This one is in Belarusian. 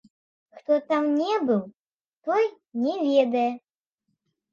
Хто там не быў, той не ведае.